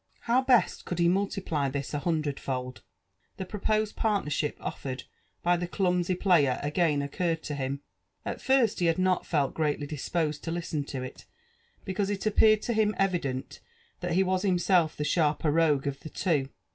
How best could he multiply this a hundredfold ? The proposed partnership offered by the clumsy player^ again occurred to htm. At first he had not felt greatly disposed to listen to it, because it appeared to him evident that he was himself the sharper rogUe of the two.